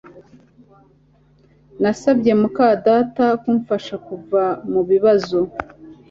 Nasabye muka data kumfasha kuva mubibazo